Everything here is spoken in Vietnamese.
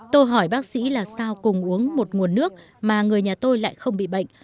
tôi hỏi bác sĩ là sao cùng uống một nguồn nước mà người nhà tôi lại không bị bệnh